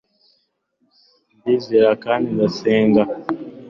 ndizera kandi ndasenga